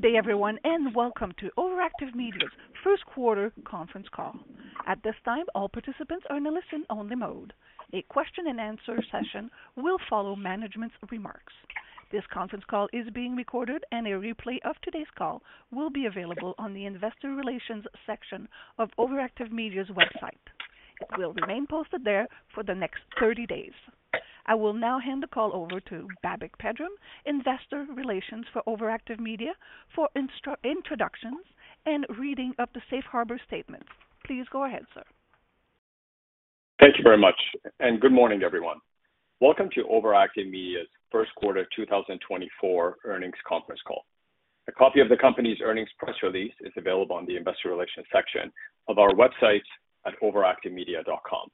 Good day, everyone, and welcome to OverActive Media's first quarter conference call. At this time, all participants are in a listen-only mode. A question and answer session will follow management's remarks. This conference call is being recorded, and a replay of today's call will be available on the investor relations section of OverActive Media's website. It will remain posted there for the next 30 days. I will now hand the call over to Babak Pedram, investor relations for OverActive Media, for introductions and reading of the Safe Harbor statement. Please go ahead, sir. Thank you very much, and good morning, everyone. Welcome to OverActive Media's first quarter 2024 earnings conference call. A copy of the company's earnings press release is available on the investor relations section of our website at overactivemedia.com.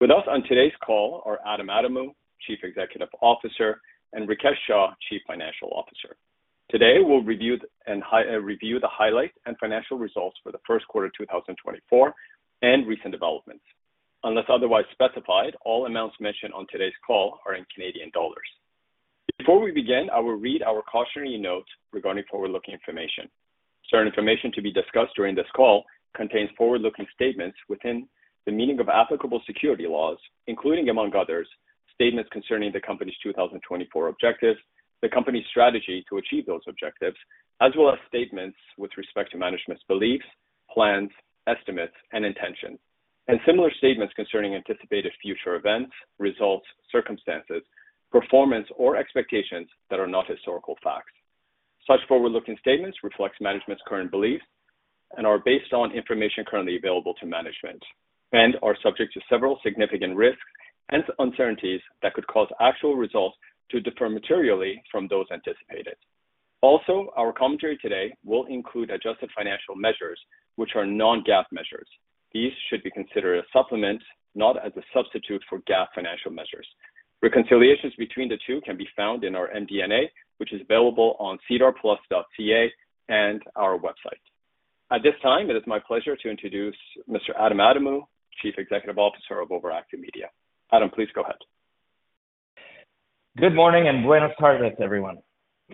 With us on today's call are Adam Adamou, Chief Executive Officer, and Rikesh Shah, Chief Financial Officer. Today, we'll review the highlights and financial results for the first quarter of 2024 and recent developments. Unless otherwise specified, all amounts mentioned on today's call are in Canadian dollars. Before we begin, I will read our cautionary note regarding forward-looking information. Certain information to be discussed during this call contains forward-looking statements within the meaning of applicable securities laws, including, among others, statements concerning the company's 2024 objectives, the company's strategy to achieve those objectives, as well as statements with respect to management's beliefs, plans, estimates, and intentions, and similar statements concerning anticipated future events, results, circumstances, performance, or expectations that are not historical facts. Such forward-looking statements reflect management's current beliefs and are based on information currently available to management and are subject to several significant risks and uncertainties that could cause actual results to differ materially from those anticipated. Also, our commentary today will include adjusted financial measures, which are non-GAAP measures. These should be considered a supplement, not as a substitute for GAAP financial measures. Reconciliations between the two can be found in our MD&A, which is available on sedarplus.ca and our website. At this time, it is my pleasure to introduce Mr. Adam Adamou, Chief Executive Officer of OverActive Media. Adam, please go ahead. Good morning and buenos tardes, everyone.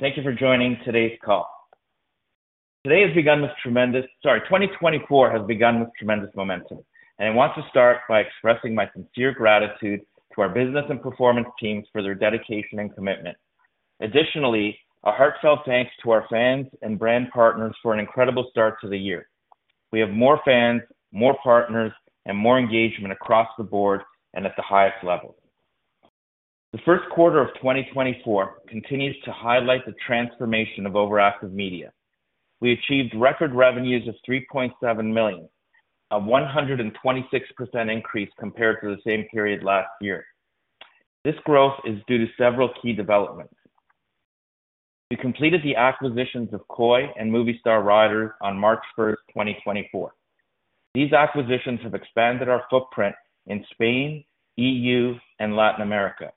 Thank you for joining today's call. 2024 has begun with tremendous momentum, and I want to start by expressing my sincere gratitude to our business and performance teams for their dedication and commitment. Additionally, a heartfelt thanks to our fans and brand partners for an incredible start to the year. We have more fans, more partners, and more engagement across the board and at the highest level. The first quarter of 2024 continues to highlight the transformation of OverActive Media. We achieved record revenues of 3.7 million, a 126% increase compared to the same period last year. This growth is due to several key developments. We completed the acquisitions of KOI and Movistar Riders on March 1, 2024. These acquisitions have expanded our footprint in Spain, EU, and Latin America.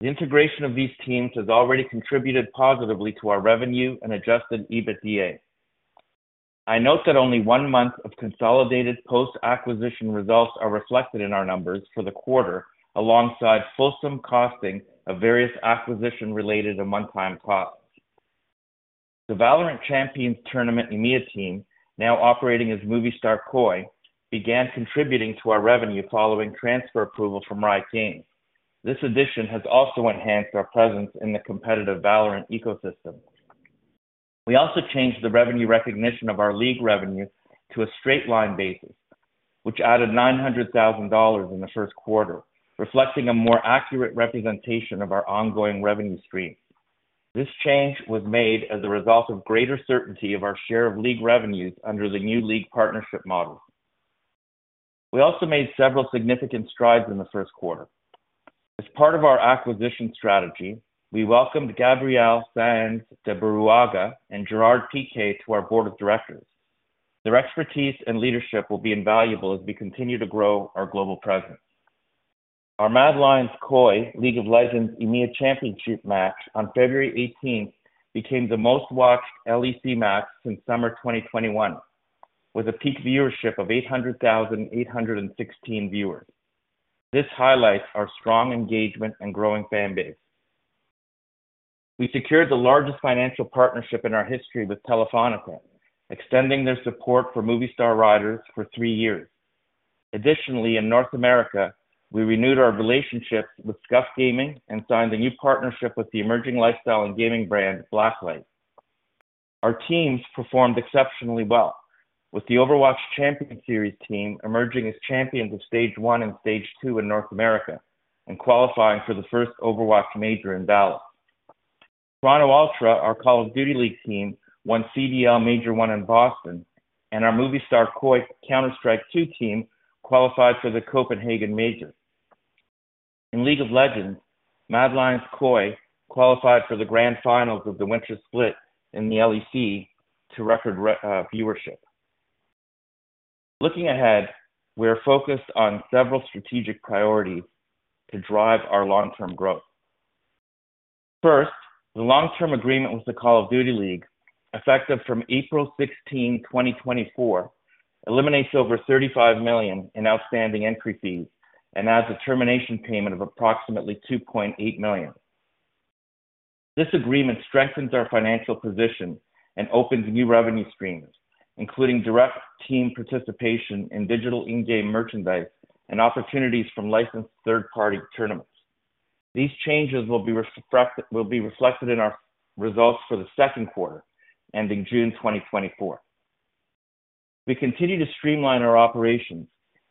The integration of these teams has already contributed positively to our revenue and adjusted EBITDA. I note that only one month of consolidated post-acquisition results are reflected in our numbers for the quarter, alongside fulsome costing of various acquisition-related and one-time costs. The Valorant Champions Tour EMEA team, now operating as Movistar KOI, began contributing to our revenue following transfer approval from Riot Games. This addition has also enhanced our presence in the competitive Valorant ecosystem. We also changed the revenue recognition of our league revenue to a straight line basis, which added 900,000 dollars in the first quarter, reflecting a more accurate representation of our ongoing revenue stream. This change was made as a result of greater certainty of our share of league revenues under the new league partnership model. We also made several significant strides in the first quarter. As part of our acquisition strategy, we welcomed Gabriel Sáenz de Buruaga and Gerard Piqué to our board of directors. Their expertise and leadership will be invaluable as we continue to grow our global presence. Our MAD Lions KOI League of Legends EMEA Championship match on February 18 became the most-watched LEC match since summer 2021, with a peak viewership of 800,816 viewers. This highlights our strong engagement and growing fan base. We secured the largest financial partnership in our history with Telefónica, extending their support for Movistar Riders for three years. Additionally, in North America, we renewed our relationships with Scuf Gaming and signed a new partnership with the emerging lifestyle and gaming brand, Blacklyte. Our teams performed exceptionally well, with the Overwatch Champions Series team emerging as champions of Stage One and Stage Two in North America and qualifying for the first Overwatch Major in Dallas. Toronto Ultra, our Call of Duty League team, won CDL Major One in Boston, and our Movistar KOI Counter-Strike 2 team qualified for the Copenhagen Major. In League of Legends, MAD Lions KOI qualified for the grand finals of the Winter Split in the LEC to record viewership. Looking ahead, we are focused on several strategic priorities to drive our long-term growth. First, the long-term agreement with the Call of Duty League, effective from April 16, 2024, eliminates over 35 million in outstanding entry fees and adds a termination payment of approximately 2.8 million. This agreement strengthens our financial position and opens new revenue streams, including direct team participation in digital in-game merchandise and opportunities from licensed third-party tournaments. These changes will be reflected in our results for the second quarter, ending June 2024. We continue to streamline our operations,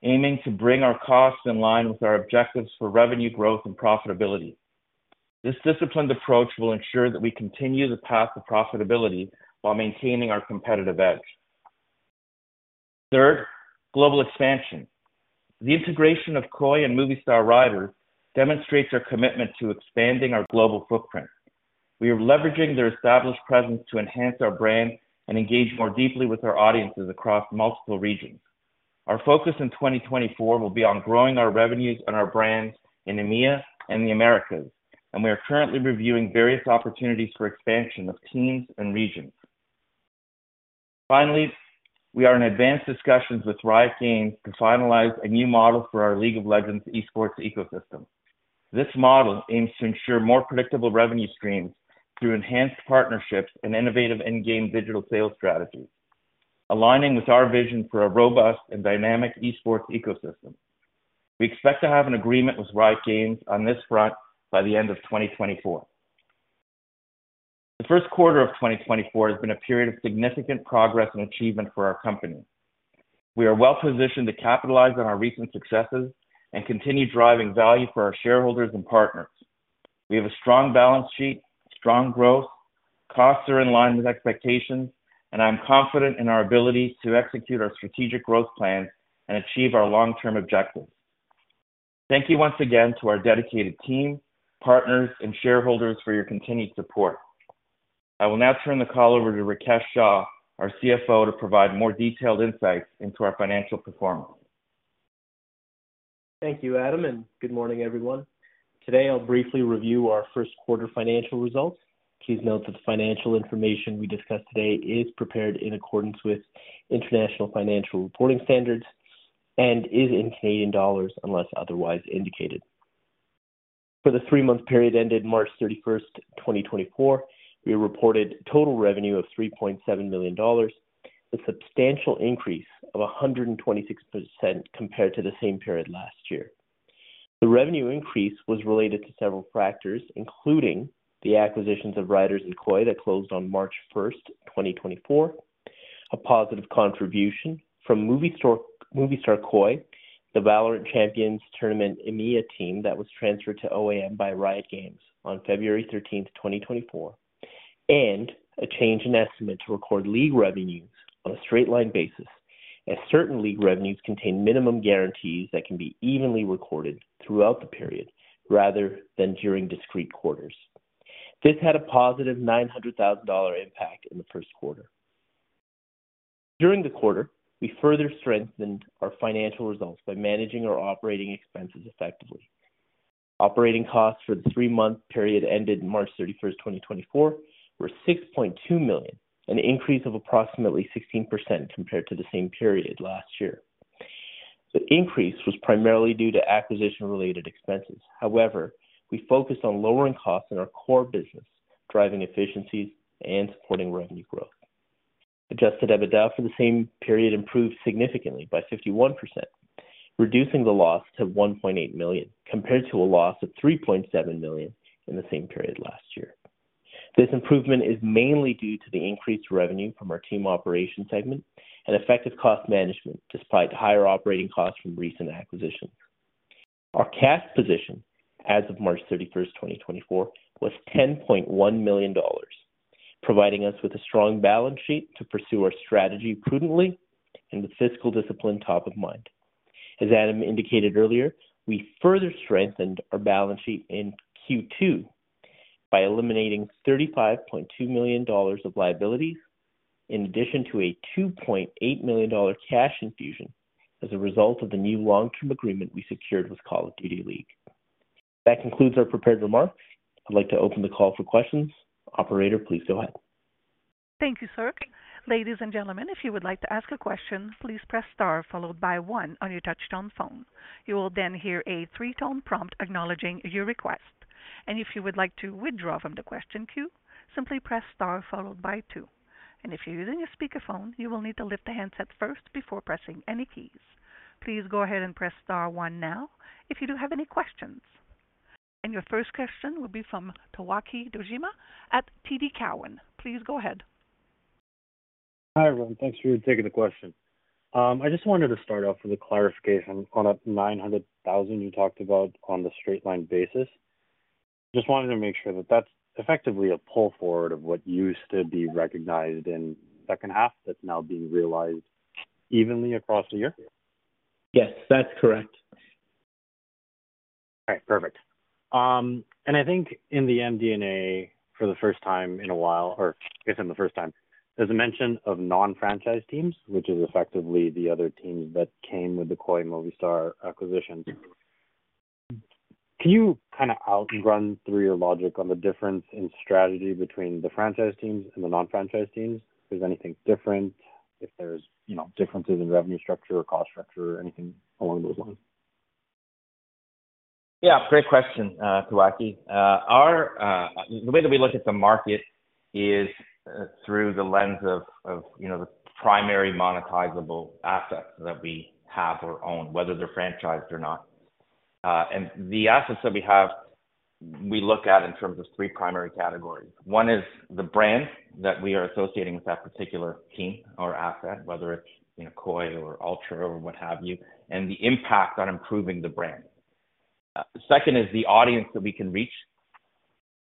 aiming to bring our costs in line with our objectives for revenue growth and profitability. This disciplined approach will ensure that we continue the path to profitability while maintaining our competitive edge. Third, global expansion. The integration of KOI and Movistar Riders demonstrates our commitment to expanding our global footprint. We are leveraging their established presence to enhance our brand and engage more deeply with our audiences across multiple regions. Our focus in 2024 will be on growing our revenues and our brands in EMEA and the Americas, and we are currently reviewing various opportunities for expansion of teams and regions. Finally, we are in advanced discussions with Riot Games to finalize a new model for our League of Legends esports ecosystem. This model aims to ensure more predictable revenue streams through enhanced partnerships and innovative in-game digital sales strategies, aligning with our vision for a robust and dynamic esports ecosystem. We expect to have an agreement with Riot Games on this front by the end of 2024. The first quarter of 2024 has been a period of significant progress and achievement for our company. We are well-positioned to capitalize on our recent successes and continue driving value for our shareholders and partners. We have a strong balance sheet, strong growth, costs are in line with expectations, and I'm confident in our ability to execute our strategic growth plans and achieve our long-term objectives. Thank you once again to our dedicated team, partners, and shareholders for your continued support. I will now turn the call over to Rikesh Shah, our CFO, to provide more detailed insights into our financial performance. Thank you, Adam, and good morning, everyone. Today, I'll briefly review our first quarter financial results. Please note that the financial information we discuss today is prepared in accordance with International Financial Reporting Standards and is in Canadian dollars, unless otherwise indicated. For the three-month period ended March 31st, 2024, we reported total revenue of 3.7 million dollars, a substantial increase of 126% compared to the same period last year. The revenue increase was related to several factors, including the acquisitions of Riders and KOI that closed on March first, 2024, a positive contribution from Movistar KOI, the Valorant Champions Tour EMEA team that was transferred to OAM by Riot Games on February thirteenth, 2024, and a change in estimate to record league revenues on a straight line basis, as certain league revenues contain minimum guarantees that can be evenly recorded throughout the period rather than during discrete quarters. This had a positive 900,000 dollar impact in the first quarter. During the quarter, we further strengthened our financial results by managing our operating expenses effectively. Operating costs for the three-month period ended March thirty-first, 2024, were 6.2 million, an increase of approximately 16% compared to the same period last year. The increase was primarily due to acquisition-related expenses. However, we focused on lowering costs in our core business, driving efficiencies and supporting revenue growth. Adjusted EBITDA for the same period improved significantly by 51%, reducing the loss to 1.8 million, compared to a loss of 3.7 million in the same period last year. This improvement is mainly due to the increased revenue from our team operations segment and effective cost management, despite higher operating costs from recent acquisitions. Our cash position as of March thirty-first, 2024, was 10.1 million dollars, providing us with a strong balance sheet to pursue our strategy prudently and with fiscal discipline top of mind. As Adam indicated earlier, we further strengthened our balance sheet in Q2 by eliminating $35.2 million of liabilities, in addition to a $2.8 million cash infusion as a result of the new long-term agreement we secured with Call of Duty League. That concludes our prepared remarks. I'd like to open the call for questions. Operator, please go ahead. Thank you, sir. Ladies and gentlemen, if you would like to ask a question, please press star followed by one on your touchtone phone. You will then hear a three-tone prompt acknowledging your request. And if you would like to withdraw from the question queue, simply press star followed by two. And if you're using a speakerphone, you will need to lift the handset first before pressing any keys. Please go ahead and press star one now if you do have any questions. And your first question will be from Towaki Dojima at TD Cowen. Please go ahead. Hi, everyone. Thanks for taking the question. I just wanted to start off with a clarification on that 900,000 you talked about on the straight line basis. Just wanted to make sure that that's effectively a pull forward of what used to be recognized in second half that's now being realized evenly across the year? Yes, that's correct. All right. Perfect. I think in the MD&A, for the first time in a while, or guess in the first time, there's a mention of non-franchise teams, which is effectively the other teams that came with the KOI Movistar acquisition. Can you kind of run through your logic on the difference in strategy between the franchise teams and the non-franchise teams? If there's anything different, if there's, you know, differences in revenue structure or cost structure or anything along those lines? Yeah, great question, Towaki. Our... The way that we look at the market is through the lens of, of, you know, the primary monetizable assets that we have or own, whether they're franchised or not. And the assets that we have, we look at in terms of three primary categories. One is the brand that we are associating with that particular team or asset, whether it's, you know, KOI or Ultra or what have you, and the impact on improving the brand. The second is the audience that we can reach,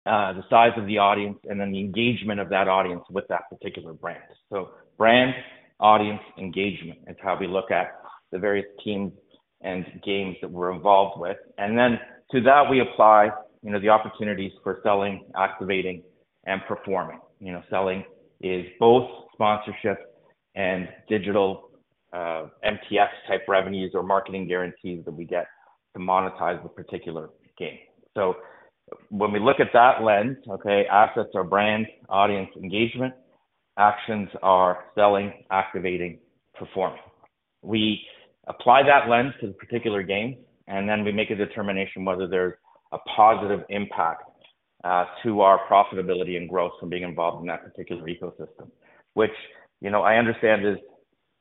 the size of the audience, and then the engagement of that audience with that particular brand. So brand, audience, engagement is how we look at the various teams and games that we're involved with. And then to that, we apply, you know, the opportunities for selling, activating, and performing. You know, selling is both sponsorship and digital, MTX-type revenues or marketing guarantees that we get to monetize the particular game. So when we look at that lens, okay, assets are brand, audience, engagement. Actions are selling, activating, performing. We apply that lens to the particular game, and then we make a determination whether there's a positive impact to our profitability and growth from being involved in that particular ecosystem. Which, you know, I understand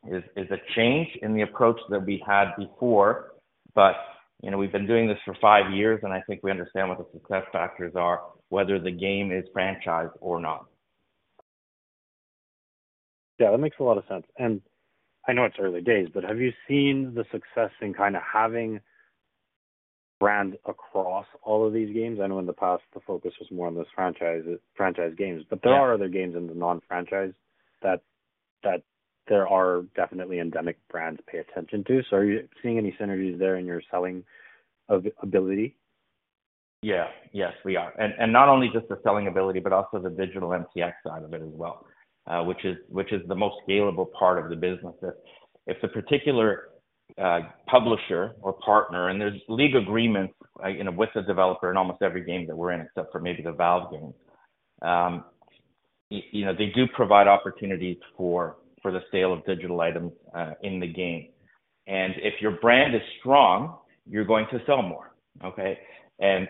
is a change in the approach that we had before, but, you know, we've been doing this for five years, and I think we understand what the success factors are, whether the game is franchised or not. Yeah, that makes a lot of sense. I know it's early days, but have you seen the success in kind of having brand across all of these games? I know in the past, the focus was more on those franchises, franchise games. Yeah. But there are other games in the non-franchise that there are definitely endemic brands pay attention to. So are you seeing any synergies there in your selling ability? Yeah. Yes, we are. And not only just the selling ability, but also the digital MTX side of it as well, which is the most scalable part of the business. If a particular publisher or partner, and there's league agreements, you know, with the developer in almost every game that we're in, except for maybe the Valve games. You know, they do provide opportunities for the sale of digital items in the game. And if your brand is strong, you're going to sell more, okay? And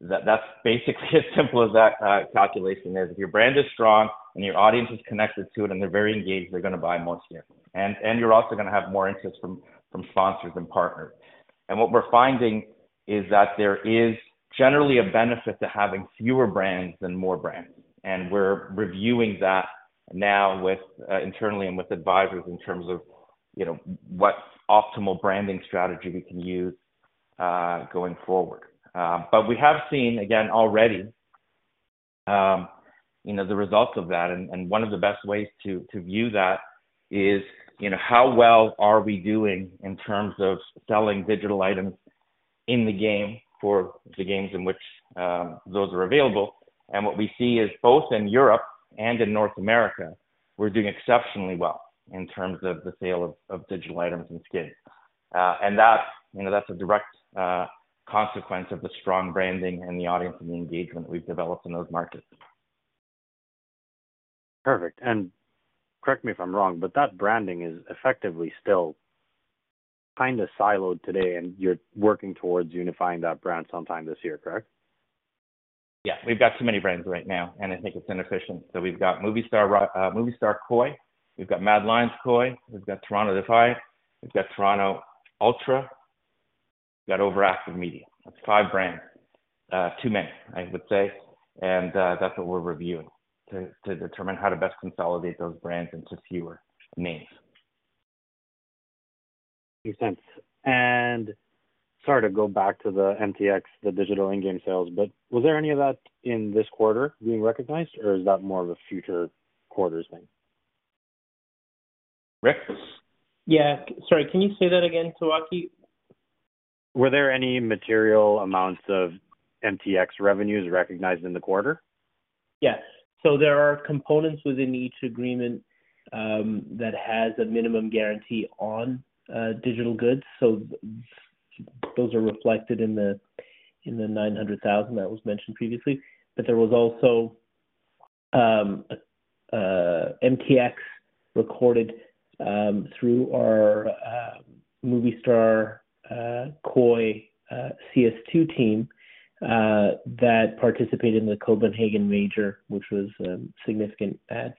that's basically as simple as that calculation is. If your brand is strong and your audience is connected to it, and they're very engaged, they're gonna buy more from you. And you're also gonna have more interest from sponsors and partners. What we're finding is that there is generally a benefit to having fewer brands than more brands, and we're reviewing that now with internally and with advisors in terms of, you know, what optimal branding strategy we can use going forward. But we have seen, again, already, you know, the results of that. One of the best ways to view that is, you know, how well are we doing in terms of selling digital items in the game for the games in which those are available? What we see is, both in Europe and in North America, we're doing exceptionally well in terms of the sale of digital items and skins. That's, you know, that's a direct consequence of the strong branding and the audience and the engagement we've developed in those markets. Perfect. Correct me if I'm wrong, but that branding is effectively still kind of siloed today, and you're working towards unifying that brand sometime this year, correct? Yeah. We've got too many brands right now, and I think it's inefficient. So we've got Movistar, Movistar KOI, we've got MAD Lions KOI, we've got Toronto Defiant, we've got Toronto Ultra, we've got OverActive Media. That's five brands. Too many, I would say. And, that's what we're reviewing, to determine how to best consolidate those brands into fewer names. Makes sense. And sorry to go back to the MTX, the digital in-game sales, but was there any of that in this quarter being recognized, or is that more of a future quarters thing? Rick? Yeah. Sorry, can you say that again, Towaki? Were there any material amounts of MTX revenues recognized in the quarter? Yes. So there are components within each agreement that has a minimum guarantee on digital goods. So those are reflected in the 900,000 that was mentioned previously. But there was also MTX recorded through our Movistar KOI CS2 team that participated in the Copenhagen Major, which was a significant add.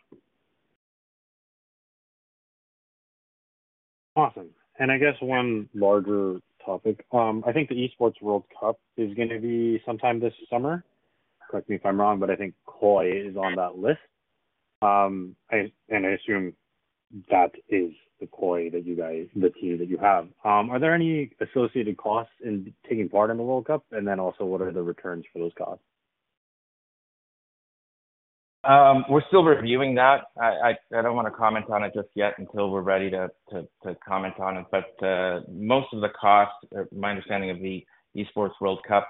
Awesome. And I guess one larger topic. I think the Esports World Cup is gonna be sometime this summer. Correct me if I'm wrong, but I think KOI is on that list. And I assume that is the KOI that you guys, the team that you have. Are there any associated costs in taking part in the World Cup? And then also, what are the returns for those costs? We're still reviewing that. I don't wanna comment on it just yet until we're ready to comment on it. But most of the costs, my understanding of the Esports World Cup,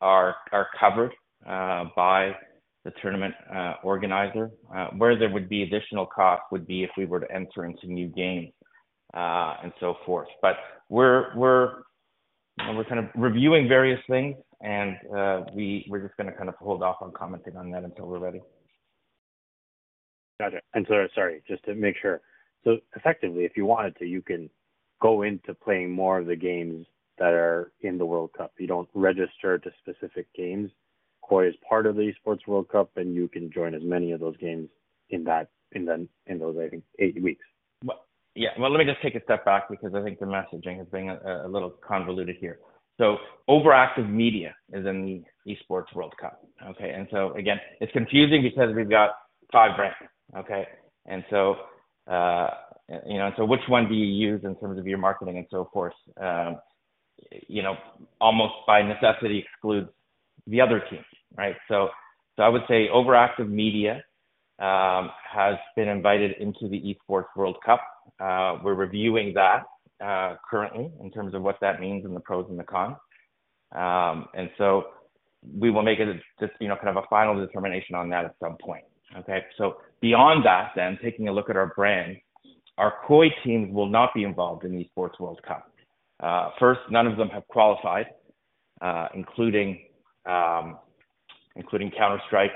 are covered by the tournament organizer. Where there would be additional cost would be if we were to enter into new games and so forth. But we're kind of reviewing various things, and we're just gonna kind of hold off on commenting on that until we're ready. Got it. And so sorry, just to make sure. So effectively, if you wanted to, you can go into playing more of the games that are in the World Cup. You don't register to specific games. KOI is part of the Esports World Cup, and you can join as many of those games in that, in those, I think, eight weeks. Well, yeah. Well, let me just take a step back because I think the messaging has been a little convoluted here. So OverActive Media is in the Esports World Cup, okay? And so again, it's confusing because we've got five brands, okay? And so, you know, so which one do you use in terms of your marketing and so forth? You know, almost by necessity, excludes the other teams, right? So, so I would say OverActive Media has been invited into the Esports World Cup. We're reviewing that currently, in terms of what that means and the pros and the cons. And so we will make a just, you know, kind of a final determination on that at some point, okay? So beyond that then, taking a look at our brand, our KOI teams will not be involved in Esports World Cup. First, none of them have qualified, including Counter-Strike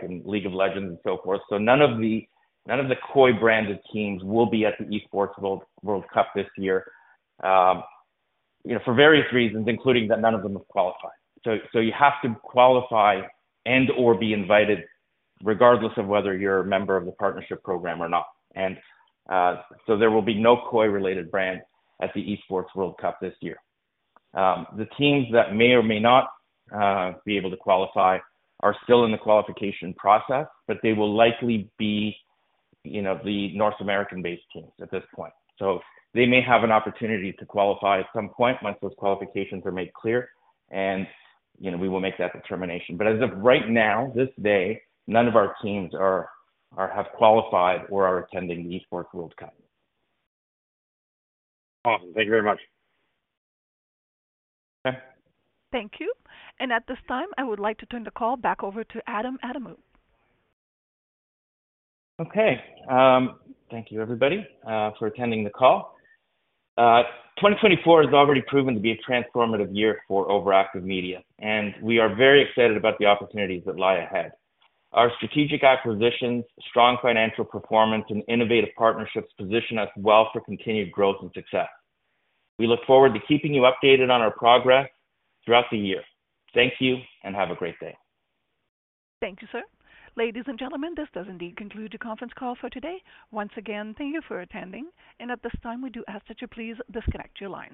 and League of Legends and so forth. So none of the KOI branded teams will be at the Esports World Cup this year, you know, for various reasons, including that none of them have qualified. So you have to qualify and/or be invited, regardless of whether you're a member of the partnership program or not. So there will be no KOI-related brands at the Esports World Cup this year. The teams that may or may not be able to qualify are still in the qualification process, but they will likely be, you know, the North American-based teams at this point. So they may have an opportunity to qualify at some point, once those qualifications are made clear and, you know, we will make that determination. But as of right now, this day, none of our teams have qualified or are attending the Esports World Cup. Awesome. Thank you very much. Okay. Thank you. At this time, I would like to turn the call back over to Adam Adamou. Okay. Thank you, everybody, for attending the call. 2024 has already proven to be a transformative year for OverActive Media, and we are very excited about the opportunities that lie ahead. Our strategic acquisitions, strong financial performance, and innovative partnerships position us well for continued growth and success. We look forward to keeping you updated on our progress throughout the year. Thank you, and have a great day. Thank you, sir. Ladies and gentlemen, this does indeed conclude the conference call for today. Once again, thank you for attending, and at this time, we do ask that you please disconnect your lines.